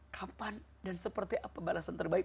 kapan dan seperti apa balasan terbaik